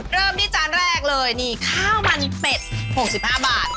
เริ่มที่จานแรกเลยนี่ข้าวมันเป็ด๖๕บาท